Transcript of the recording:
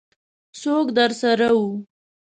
څوک درسره وو؟